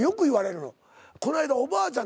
こないだおばあちゃん